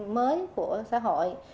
mới của xã hội